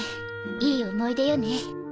いい思い出よね。